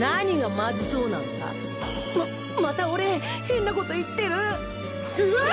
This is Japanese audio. ままた俺変なこと言ってるうわっ！